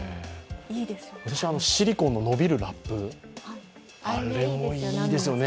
私、シリコンの伸びるラップ、あれもいいですよね。